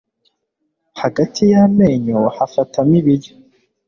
hagati y'amenyo hafatamo ibiryo